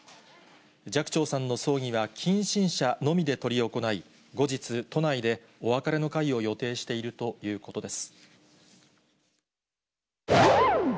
寂聴さんの葬儀は近親者のみで執り行い、後日、都内でお別れの会を予定しているということです。